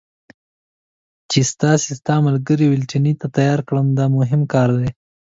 چې تا ستا ملګري والنتیني ته تیار کړم، دا مهم کار دی.